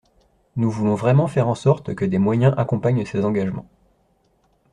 Nous voulons vraiment faire en sorte que des moyens accompagnent ces engagements.